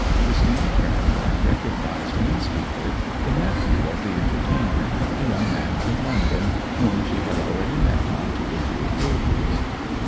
Christine turned, and recognized in the speaker the nephew of the entertainer, a young man from London, whom she had already met on two or three occasions.